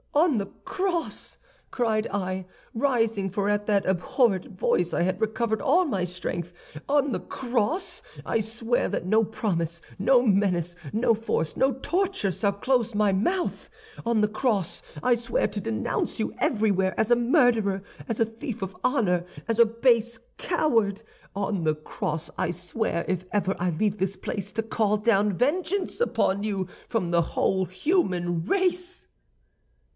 "'On the cross,' cried I, rising, for at that abhorred voice I had recovered all my strength, 'on the cross I swear that no promise, no menace, no force, no torture, shall close my mouth! On the cross I swear to denounce you everywhere as a murderer, as a thief of honor, as a base coward! On the cross I swear, if I ever leave this place, to call down vengeance upon you from the whole human race!